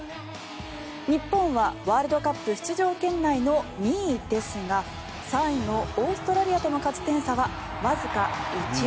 日本はワールドカップ出場圏内の２位ですが３位のオーストラリアとの勝ち点差はわずか１。